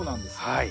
はい。